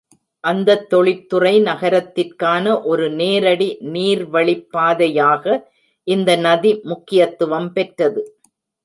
அந்தத் தொழிற்துறை நகரத்திற்கான ஒரு நேரடி நீர்வழிப்பாதையாக இந்த நதி முக்கியத்துவம் பெற்றது.